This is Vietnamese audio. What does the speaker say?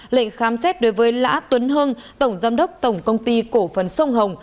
lệnh khám xét đối với lã tuấn hưng tổng giám đốc tổng công ty cổ phần sông hồng